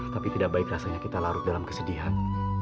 tapi tidak baik rasanya kita larut dalam kesedihan